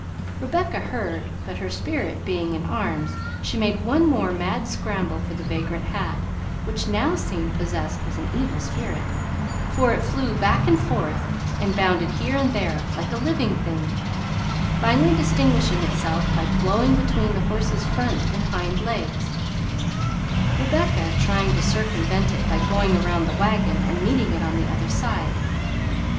Rebecca heard, but her spirit being in arms, she made one more mad scramble for the vagrant hat, which now seemed possessed with an evil spirit, for it flew back and forth, and bounded here and there, like a living thing, finally distinguishing itself by blowing between the horse's front and hind legs, Rebecca trying to circumvent it by going around the wagon, and meeting it on the other side.